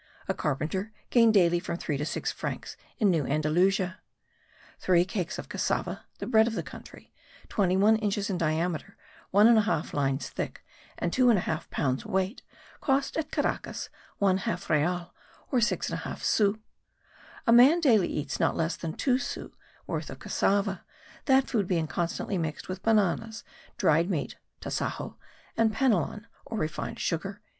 A carpenter gained daily from 3 to 6 francs in New Andalusia. Three cakes of cassava (the bread of the country), 21 inches in diameter, 1 1/2 lines thick, and 2 1/2 pounds weight, cost at Caracas one half real, or 6 1/2 sous. A man eats daily not less than 2 sous' worth of cassava, that food being constantly mixed with bananas, dried meat (tasajo) and panelon, or unrefined sugar.)